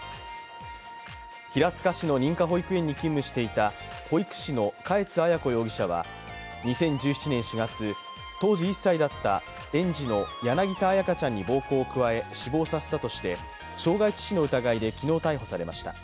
平塚市の認可保育園に勤務していた保育士の嘉悦彩子容疑者は２０１７年４月、当時１歳だった園児の柳田彩花ちゃんに暴行を加え死亡させたとして傷害致死の疑いで昨日逮捕されました。